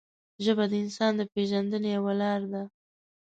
ژبه د انسان د پېژندنې یوه لاره ده